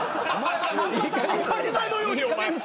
当たり前のようにお前。